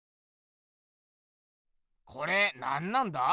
これなんなんだ？